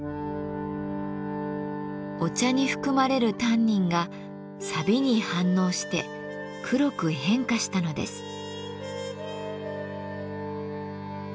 お茶に含まれるタンニンがさびに反応して黒く変化したのです。